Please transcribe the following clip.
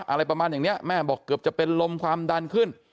อะไรอย่างนี้ประมาณอย่างนี้แม่บอกเกือบจะเป็นลมความดันขึ้น